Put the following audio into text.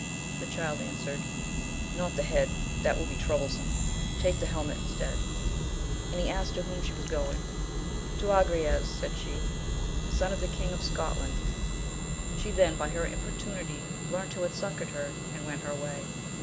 The Child answered, not the head, that will be troublesome ; take the hel met instead, and he asked to whom she was going. To Agrayes, said she, son of the King of Scotland, she then by her importunity learnt who had succoured her, and went her way.